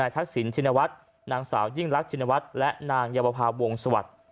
ทักษิณชินวัฒน์นางสาวยิ่งรักชินวัฒน์และนางเยาวภาวงศวรรค์